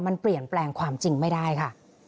มันเปลี่ยนแปลงความจริงไม่ได้ค่ะ